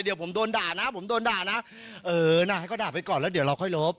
เดี๋ยวผมโดนด่านะผมโดนด่านะเออน่ะให้เขาด่าไปก่อนแล้วเดี๋ยวเราค่อยลบ